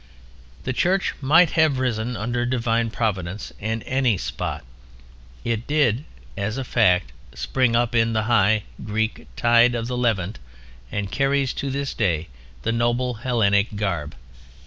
The Church might have risen under Divine Providence in any spot: it did, as a fact, spring up in the high Greek tide of the Levant and carries to this day the noble Hellenic garb.